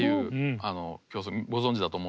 ご存じだと思うんですけど。